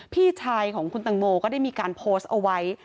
พี่ชายของคุณตังโมก็ได้มีการโพสต์เอาไว้